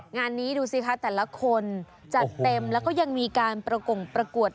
งานนี้ดูสิคะแต่ละคนจัดเต็มแล้วก็ยังมีการประกงประกวด